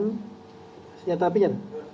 diamankan senjata apinya